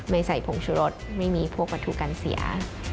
ไม่ใส่ผงชุรสไม่มีพวกประทุกันเสีย